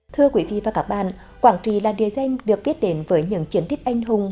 thưa quý vị và các bạn quảng trì là địa danh được biết đến với những chiến tích anh hùng